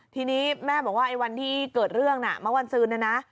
ทีนี้แม่บอกว่าไอ้วันที่เกิดเรื่องน่ะเมื่อวันซืนนะนะ